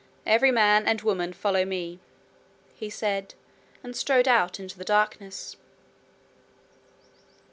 'Every man and woman follow me,' he said, and strode out into the darkness.